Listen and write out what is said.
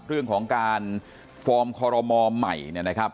เรื่องของการฟอร์มคอรมอลใหม่เนี่ยนะครับ